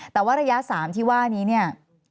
แต่ว่าระยะ๓ที่ว่านี้